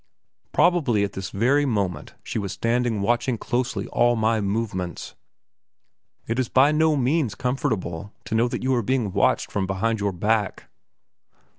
Probably at this very moment she was standing watching closely all my movements. It is by no means comfortable to know that you are being watched from behind your back.